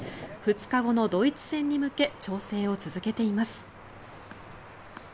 ２日後のドイツ戦に向け調整を続けています。